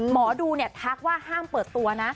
หมอดูทักว่าห้ามเปิดตัวนะ